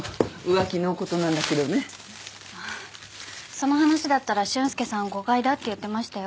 その話だったら俊介さん誤解だって言ってましたよ。